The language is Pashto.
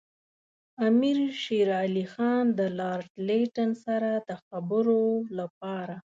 امیر شېر علي خان د لارډ لیټن سره د خبرو لپاره.